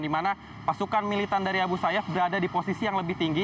di mana pasukan militan dari abu sayyaf berada di posisi yang lebih tinggi